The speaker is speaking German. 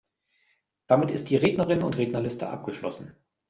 Damit ist die Rednerinnen- und Rednerliste abgeschlossen.